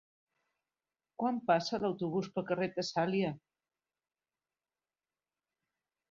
Quan passa l'autobús pel carrer Tessàlia?